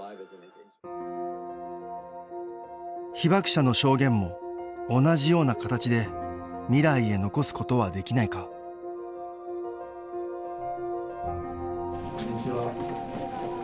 被爆者の証言も同じような形で未来へ残すことはできないかこんにちは。